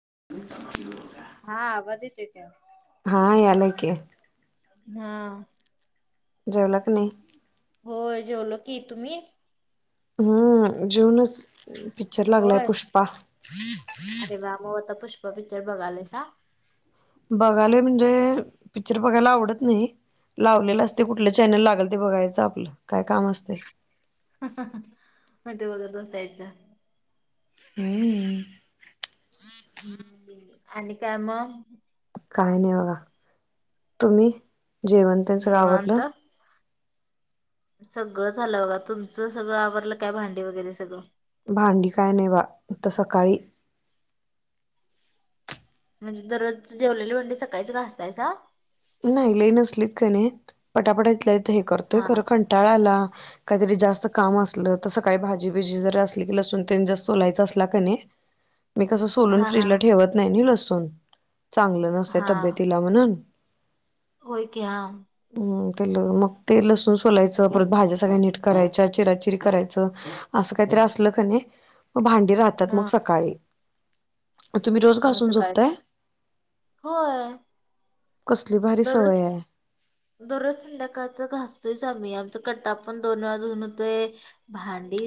[inaudible] हा आवाज येतोय काय? हा यायलाय की. हा. जेवला की नाही? होय, जेवलो की तुम्ही? हम्म. जेऊनच पिकच्चर लागलाय होय पुष्पा. अरे बाबो आता पुष्पा पिक्चर बघालयासा? बघालोय म्हणजे पिक्चर बघायला आवडत नाही, लावलेलं असते कुठल्या चॅनल लागल- ते बघायचं, आपलं काय काम असतय. म ते बघत बसायचं. हम्म. ह्. आणि काय मग? काय नाही बघा, तुम्ही जेवणं तेन सगळं आवरल? निवांत? सगळं झालं बघा, तुमचं सगळं आवरलं काय, भांडी वगैरे सगळं? भांडी काय नाय बा आता सकाळी. म्हणजे दररोज जेवलेली भांडी सकाळीच घासतायसा? नाही, लई नसलीत की नाही पटापटा इेतला तर हे करतोय हा खरं कंटाळा आला- काहीतरी जास्त काम असलं, तसं सकाळी भाजीबिजी जरी असली की, लसून तेन जास्त सोलायच असला की नाही- ह [inaudible] मी कसं सोलून हा हा फ्रीजला ठेवत नाही ना, लसून चांगलं हा नसं तब्येतीला म्हणून- होय की हां. हम्म मग ते लसूण सोलायचं, परत भाज्या सगळ्या नीट करायच्या, चिराचिरी करायचं असं काय- असल कणी भांडी राहतात मग हा सकाळी- तुम्ही रोज मग घासून सकाळी झोपताय? होय कसली भारी दररोज सवय आहे. दररोज संध्याकाळच घास- तोयच आम्ही, आमचा कट्टा पण दोन वेळा धऊन होतोय, भांडी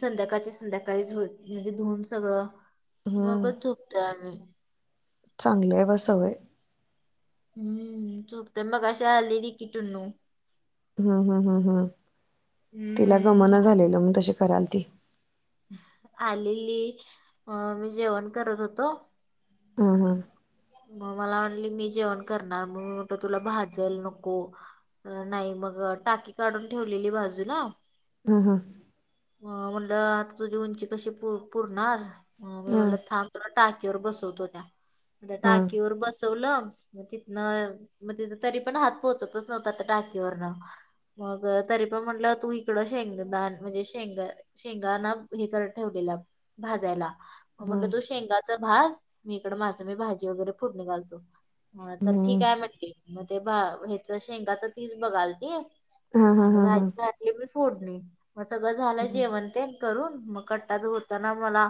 संध्याकाळची संध्याका- ळी म्हणजे, धुन सगळं मगच झोपतोय आम्ही. चांगलं आहे बा सवय. हम्म झोपतोय मगाशी आलेली की टून्नू. हं. हं. हं. हं. तिला हम्म गमना झालेलं मग तशी कराल ती. आलेली अं मी जेवण करत होतो- हं. हं. मग मला म्हणली मी जेवण करणार, मग म्हणत तुला भाजल नको तर नाही मग- टाकी काढून ठेवलेली बाजूला- हा. हा. अ म्हणलं आता तुझी उंची कशी पुरणार मी म्हटलं थांब- टाकीवर बसवतो त्या, त्या हं हं हं टाकीवर बसवलं- तिथनं म, तथ तरी पण हात पोहोचतच नव्हत आता टाकीेवरन- मग तरी पण म्हटलं तू इकडं शेंगदान म्हणजे, शेंग शेंगाणा हे करत ठेवले- भाजायला- म्हटलो, शेंगाच भाज, मी इकड माझं मी भाजी वगैरे फोडनी घालतो. हा, तर ठीक हं आहे म्हंटली, मग ते ह्याच शेंगाच तीच बघालती- हं हं आणि हं भाजी हं घातली मी फोडणी, मग सगळं झालं जेवण तेन- करून मग कट्टा धुताना मला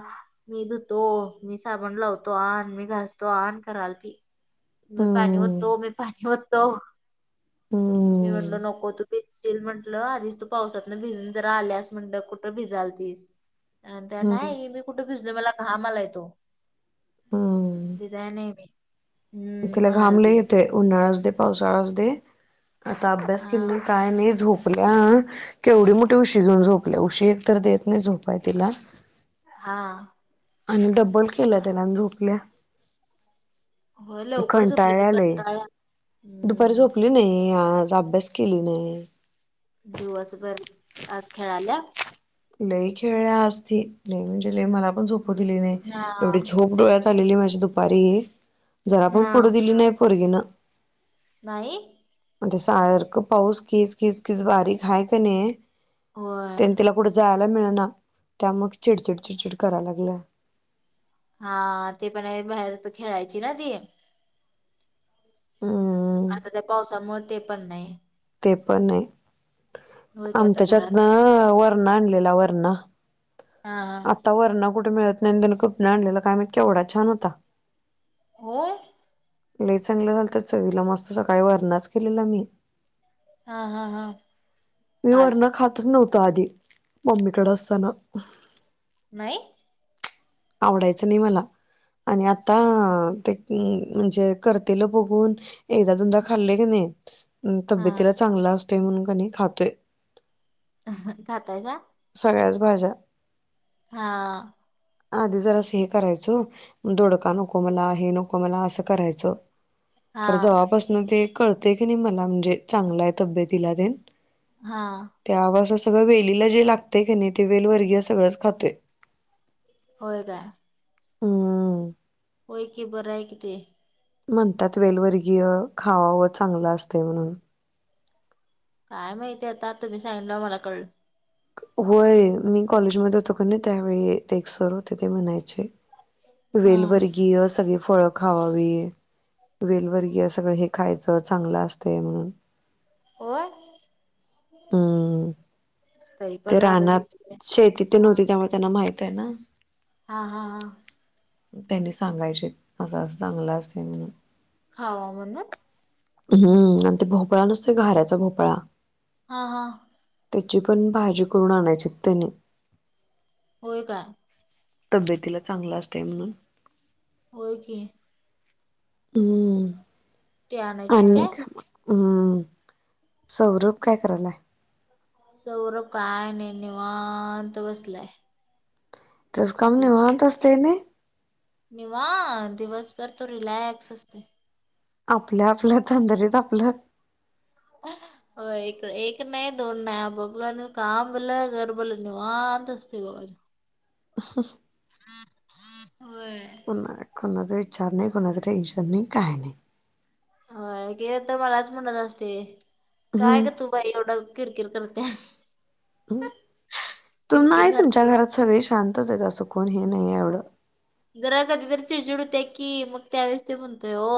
मी धुतो मी साबण लावतो आणि मी घास तो ऑन करलती म पाणी होततो मी पाणी होतो. हं मी म्हणलो हं नकोत. भिजशील म्हटलं आधीच तू पावसातन भिजून जरा आल्यास म्हटलं कुठं भिजाल तीस अ त्या हं नाही मी कुठे भिजतो मला घामाला येतो. बज हम्म नाही मी हम्म तिला घाबलं म्हणालती येते उन्हाळा अस दे पावसाळा अस दे. आता अभ्यास हा केले काय नाही झोक. आपल्या केवढी मोठी उशी घेऊन झोपल्या उशी एक तर देत नाही झोपाय तिला हा. आणि डब्बल केलं त्याला झोपल्या. होय लवकर झोपली की कंटाळ्यालाय कंटाळा दुपारी हम्म झोपली नाही आज अभ्यास केली नाही. दिवसभर आज खेळाल्या. लई खेळल्या असती लई म्हणजे लय मला पण झोप दिली नाही हा एवढी झोप डोळ्यात आलेली माझी दुपारी जरा पण हा पुढू दिली नाही पोरगीन. नाही. म्हणज सारखं पाऊस कीस कीस कीस बारीक आहे का नाही. होय त्यां तिला कुठं जा. मिळ त्या मग चिडचिड चिडचिड करा लागल्या. हा ते पण बाहेर खेळायची ना ती हम्म आता त्या पावसामुळे ते पण नाही. ते पण आहे होय की आम आता त्याच्यातन घरातच वरण आणलेला वरणा हा हा आता वरण कुठे मिळत नाही त्यां कुठून आणलेलं काय म्ह केवढा छान होता. हो. ल चांगलं झालत चवीला मस्त सकाळी वरणाच केलेला मी हा हा हा. मी आज वरण खातच नव्हत आधी मम्मीकड असताना नाही. आवडायचं नाही मला आणि आता ते हम् म्हणजे करतेलं बघून एकदा दुनदा खाल्ले की नाही. हा तब्यतीला चांगला असतोय म्हणून क खातोय. खाताय का? हिफाजात. हा. आधी जर असं हे करायचो दधोडका नको मला हे नको मला असं करायचं. हा तर जवळपासन ते कळते की नाही मला म्हणजे चांगलाय तब्येतला देन हा त्यावर सगळं वेलीला जे लागते कणी ते वेलवर्गीय सगळंच खाते. होय काय. हम. होय की बर आहे ते म्हणतात वेलवर्गीय खावा व चांगलं असत म्हणून काय माहितीय आता तुम्ही सांगितल्यावर मला कळलं. होय मी कॉलेजमध्ये होतो कणी त्यावेळी एक सर होते ते म्हणायचे. हा वेलवर्गीय सगळी फळ खावावी. वेलवर्गीय सगळं हे खायचं चांगलं असतं म्हणून होय. हम्म तरी ते पण आता रानात जे- शेतीतिन हा होती त्यामुळे त्यांना माहित आहे ना. हा हा हा. त्यांनी सांगायचे असं असं चांगलं असतंय म्हणून खावा म्हण हम्म आणि ते भोपळा नसतोय घाऱ्याचा भोपळा हा हा त्याची पण भाजी करून आणायची त्यांनी होय काय? तब्येतीला चांगलं असतंय म्हणून होय की हम् ते आणायचेत काय? हम्म सौरभ काय करायलाय. सौरब काय नाही निवांत बसलाय त्याचं काम आपला निवांत असतय नाई निवांत दिवसभर तो रिलॅक्स असतोय. आपल्या आपल्या तंदरीत आपलं हो एक एक नाही दोन नाही आप आपलं काम भलं घर भलं निवांत असतुय बघा. ब होय कोण नाय कुणाचं विचार नाही कोणाचं टेन्शन नाही काही नाही. होय ती आता मलाच म्हणात आसते. काय ग तू हम्म बाई एवढं किर किर करत्यास. तू किरकिर नाही तुमच्या सारखी घरात सगळी शांतच आहेत असं कोण ही नाही आहे एवढं जरा कधी तर चिडचिड होत्याय की मग त्यावेेळेस ते म्हणतोय हो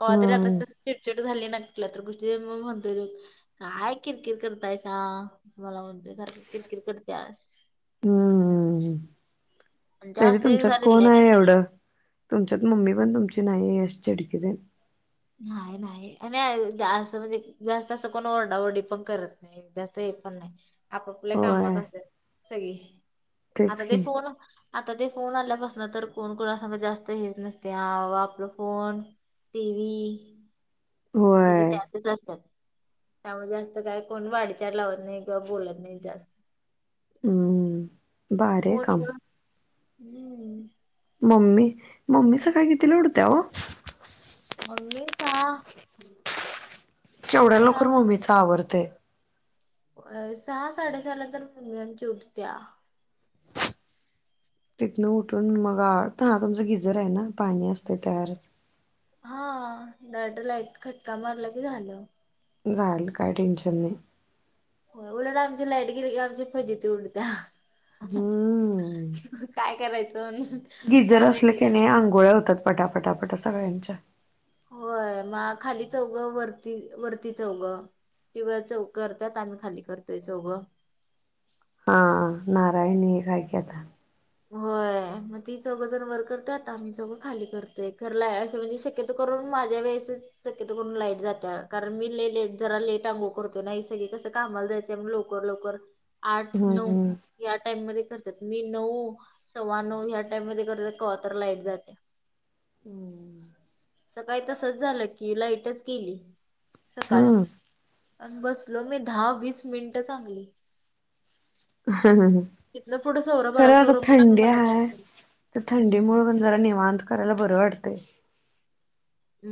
कवा तरी आता हम्म असं चिडचिड झाली ना तुला तर किती वेळा मी म्हणतोय काय किरकिर करतायसा मला म्हणतोय सारख किर किरकिर करत्यास हम् आणि तरी जास्त एक तुमच्यात जरा कोण आहे रिलॅक्स एवढं तुमच्यात मम्मी पण तुमची नाहीय अशी चिडकीच आहे. नाही नाही आणि असं म्हणजे जास्त असं कोण ओरडाओरडी पण करत नाही जास्त नाही आपापल्या कामात होय असत्यात सगळी तेच आता ते की फोन आता ते फोन आल्यापासन तर कोण कोणासग जास्त हेच नसते हा बाबा आपला फोन टी व्ही सगळी होय त्यातच असतात. त्यामुळे जास्त काय कोण वाडीचार लावत नाही किंवा बोलत नाही जास्त हम्म भारी हाय फोन काम हम्म मम्मी मम्मी सकाळी कितीला उठत्या ओ? मम्मी सहा केवढ्या लवकर मम्मीच आवरतंय. होय सहा साडेसहा ला तर मम्मी आमची उठत्या तिथनं उठून मग आ हा तुमचा गिजर आहे ना पाणी असतंय तयारचं हा डायरेक्ट लाईट खटका मारला की झालं. झालं काय टेन्शन नाही. होय उलट आमची लाईट गेली कि आमची फजीती उडत्या हम्म काय करायचं म्हणून मग गिजर असलं आम्ही कि नाही आंघोळ्या होतात पटाप पटापटा सगळ्यांच्या होय मग खाली चौघं वरती वरती चौघं ती वर चौघं करतात आणि आम्ही खाली करतोय चौघं हा नारायणी एक आहे कि आता होय मग ती चौघजण वर करत्यात आम्ही चौघं खाली करतोय खरं लाय असं म्हणजे शक्यतो करून माझ्या वेळेस शक्यतो करून लाईट जात्या कारण मी लई लेट जरा लेट अंगोळ करतोय ना ही सगळी कसं कामाला जायचय म्हणून लवकर लवकर आठ नऊ हम्म या टाइम मध्ये करत्यात मी नऊ सव्वा नऊ ह्या टाइम मध्ये करते कवा तर लाईट जात्या हम्म सकाळी तसचं झालं कि लाईटचं गेली सकाळी हम्म आणि बसलो मी दहा वीस मिनटं चांगली हं हं हं तिथनं पुढं सौरभ आला खरा अर्थ सौरभला थंडी टाइम आहे दिला तर हम्म थंडीमुळं पण जरा निवांत करायला बर वाटतंय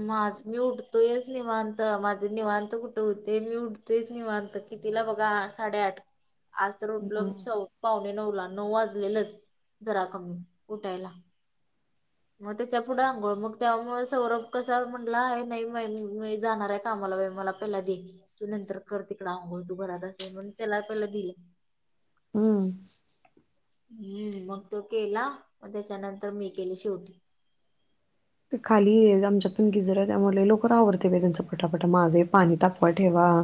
माझं मी उठतोयचं निवांत माझं निवांत कुठं होतंय मी उठतोयचं निवांत कितीला बघा साडे आठ आज तर उठलो सव पाव ने नऊ ला नऊ वाजलेलंच जरा कमी उठायला मग त्याच्या पुुढे आंगोळ मग त्यामुळे सौरभ कसा म्हंटला ए नाही बाई मी जाणार आहे कामाला म्हंटला बाई मला पहिला दे तू नंतर कर तिकडं आंगोळ तू घरात असतेस म्हणून त्याला पहिला दिले. हम्म हम्म मग तो केला मग त्याच्यानंतर मी केली शेवटी ते खाली आमच्यात पण गिजर आहे त्यामुळे लय लवकर आवरतंय बाई त्यांचं पटापटा माझं हे पाणी तापवाय ठेवा हा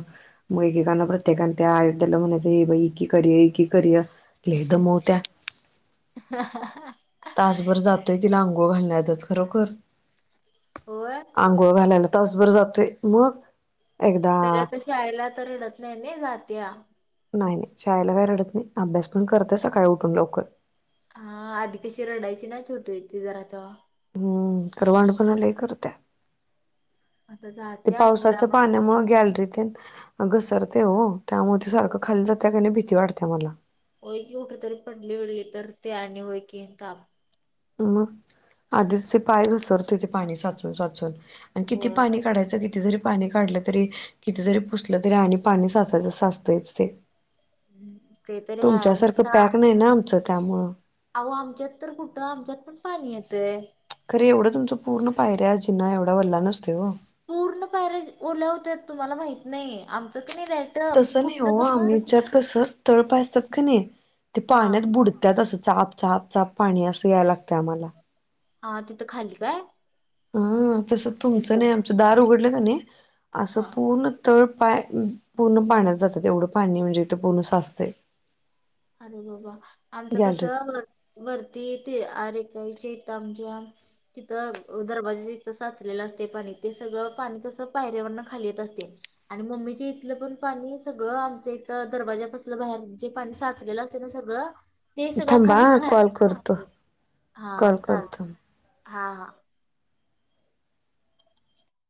मग एकेकाना प्रत्येकाना त्या आहेत त्यांना म्हणायचं ये बाई इकि कर ये इकि कर ये हं हं हं तासभर जातोय तिला आंगोळ घालण्यातच खरोखर होय आंगोळ घालायला तासभर जातोय मग एकदा तरी आता शाळेला आता रडत नाही ना जात्या नाही नाही. शाळेला काय रडत नाही अभ्यास पण करते सकाळी उठून लवकर. हा आधी कशी रडायची ना छोटी होती जरा तेव्हा हम्म. खरं वांडपणा लयं करत्या. आता ते जात्या उड्या पावसाच्या मार पाण्यामुळं गॅलरी तून घसरतंय ओ त्यामुळे ती सारखं खाली जात्या कि नाही भीती वाटत्या मला होय की कुठंतरी पडली बिडली तर ते आणि होय की ताप मग आधीच ते पाय घसरतंय ते पाणी साचून साचून आणि किती होय होय. पाणी काढायचं किती जरी पाणी काढलं तरी किती जरी पुसलं तरी आणि पाणी साचायचं तसं साचतयचं ते ते तरी आहे आणि तुमच्यासारखं कसं पॅक नाही ना आमचं त्यामुळं अहो आमच्यात तर कुठं आमच्यात पण पाणी येतंय खरं एवढं तुमचं पूर्ण पायऱ्या, जिना एवढा वल्ला नसतोय ओ पूर्ण पायऱ्या ओल्या होत्या तुम्हाला माहित नाही आमचं क नाही डायरेक्ट तसं नाही कुठलं हो सांगा आमच्यात कस तळ पाय असतात का नाही ते हा पाण्यात बुडत्यात असं चाप चाप चाप पाणी असं याय लागतंय आम्हाला हा तिथं खाली काय हं तस तुमचं नाही एकदम आमचं दार उघडलं का नाही असं हा पूर्ण तळ पाय पूर्ण पाण्यात जात्यात येवढं पाणी म्हणजे इथं पूर्ण साचतयं अरे बाबा आमचं कसं वरती येते अरे आईच्या इथं आमच्या तिथं दरवाजाच्या इथं साचलेलं असतंय पाणी ते सगळं पाणी कसं पायरीवरनं खाली येत असतंय आणि मम्मीच्या इथलं पण पाणी सगळं आमच्या इथं दरवाजापाशी बाहेर जे पाणी साचलेलं असेल ना सगळं ते सगळं थांबा खाली हा खा कॉल करतो खाली कॉल करतो हां हां